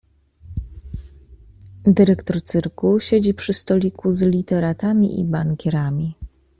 Dyrektor cyrku siedzi przy stoliku z literatami i bankierami.